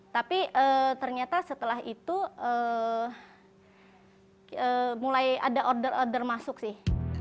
tapi ternyata setelah itu mulai ada order order masuk sih